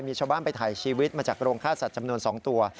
มีชาวบ้านไปถ่ายชีวิตมาจากโรงฆ่าสัตว์จำนวน๒ตัว